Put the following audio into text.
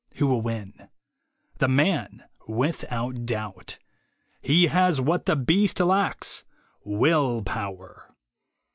Who will win? The man, without doubt. He has what the beast lacks, Will Power.